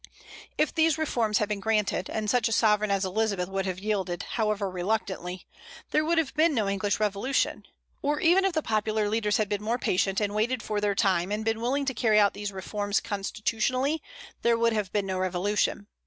If these reforms had been granted, and such a sovereign as Elizabeth would have yielded, however reluctantly, there would have been no English revolution. Or even if the popular leaders had been more patient, and waited for their time, and been willing to carry out these reforms constitutionally, there would have been no revolution.